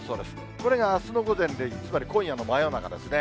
これがあすの午前０時、つまり今夜の真夜中ですね。